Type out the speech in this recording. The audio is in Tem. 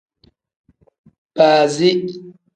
Baazi.